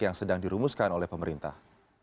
yang sedang dirumuskan oleh pemerintah